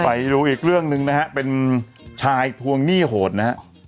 ไปดูอีกเรื่องนึงนะครับเป็นชายทวงหนี้โหดนะครับ